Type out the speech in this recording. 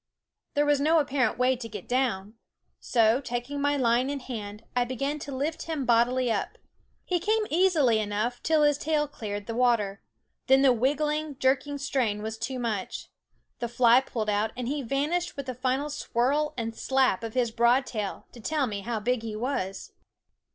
There was no apparent way to get down ; so, taking my line in hand, I began to lift him bodily up. He came easily enough till his tail cleared the water; then the wiggling, jerky strain was too much. The fly pulled out, and he van ished with a final swirl and slap of his broad tail to tell me how big he was.